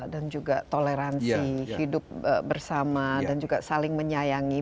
dan juga toleransi hidup bersama dan juga saling menyayangi